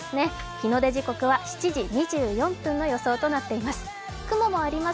日の出時刻は７時２４分の予想となっています。